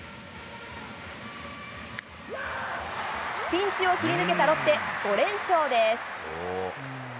ピンチを切り抜けたロッテ、５連勝です。